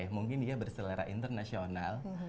mungkin dia berselera internasional